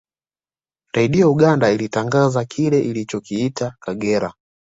Redio Uganda ilitangaza kile ilichokiita Kagera